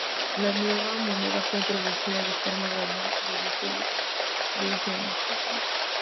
La nueva moneda fue introducida de forma gradual desde julio de ese año.